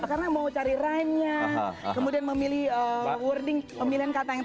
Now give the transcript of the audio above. anak sebanyak ini kemudian juga